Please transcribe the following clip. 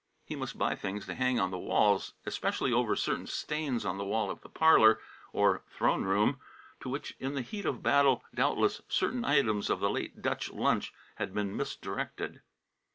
He must buy things to hang on the walls, especially over certain stains on the wall of the parlour, or throne room, to which in the heat of battle, doubtless, certain items of the late Dutch lunch had been misdirected.